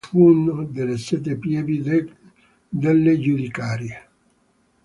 Pieve di Bono fu una delle Sette Pievi delle Giudicarie.